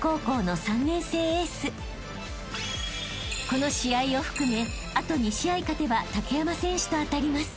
［この試合を含めあと２試合勝てば竹山選手と当たります］